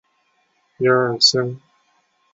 日梅尔斯基在华沙担任波兰军行政副主任。